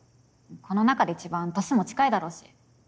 この中で一番年も近いだろうし。